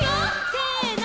せの！